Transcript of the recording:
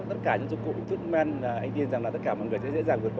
tất cả những dụng cụ thuốc men anh yên rằng là tất cả mọi người sẽ dễ dàng vượt qua